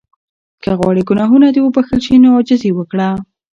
که غواړې ګناهونه دې وبخښل شي نو عاجزي وکړه.